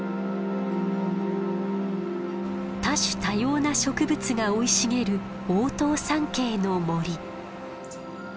多種多様な植物が生い茂る大塔山系の森。